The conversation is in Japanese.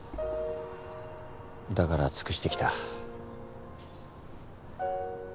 だから尽くしてきた。